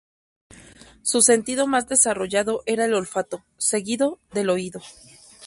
Su sentido más desarrollado era el olfato, seguido del oído.